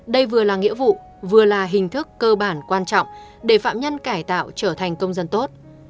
đây vừa là nghĩa vụ vừa là hình thức cơ bản quan trọng để phạm nhân cải tạo trở thành công dân tốt